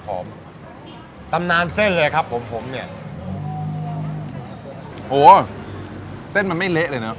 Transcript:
ตำนานเส้นเลยครับผมผมเนี่ยโหเส้นมันไม่เละเลยเนอะ